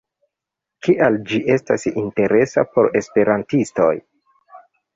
Kial ĝi estas interesa por esperantistoj?